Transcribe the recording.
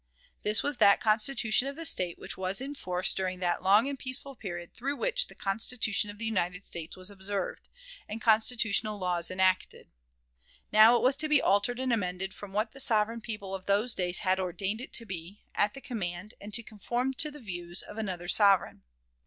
This was that Constitution of the State which was in force during that long and peaceful period through which the Constitution of the United States was observed, and constitutional laws enacted. Now it was to be altered and amended from what the sovereign people of those days had ordained it to be, at the command, and to conform to the views, of another sovereign.